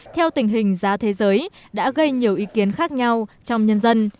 theo tình hình giá thế giới đã gây nhiều ý kiến khác nhau trong nhân dân